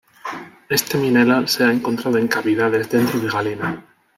Este mineral se ha encontrado en cavidades dentro de galena.